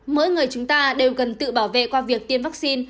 mỗi người chúng ta đều cần tự bảo vệ qua việc tiêm vaccine